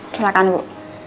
silakan bu